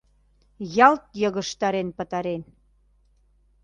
Ялт йыгыжтарен пытарен.